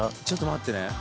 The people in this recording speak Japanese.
ちょっと待ってね。